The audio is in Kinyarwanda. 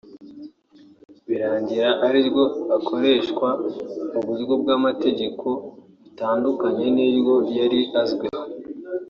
birangira ari ryo akoresha mu buryo bw’amategeko bitandukanye n’iryo yari azwiho